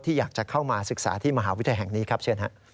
อยากจะเข้ามาศึกษาที่มหาวิทยาลัยแห่งนี้ครับเชิญครับ